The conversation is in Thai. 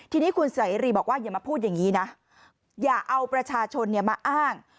ทีนี้คุณเสรีบอกว่าอย่ามาพูดอย่างนี้นะอย่าเอาประชาชนมาอ้าง